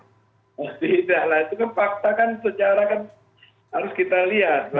nah tidak lah itu kan fakta kan sejarah kan harus kita lihat